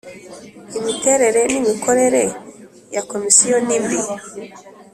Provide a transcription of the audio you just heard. imiterere n imikorere ya Komisiyo nimbi.